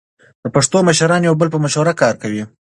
د پښتنو مشران د یو بل په مشوره کار کوي.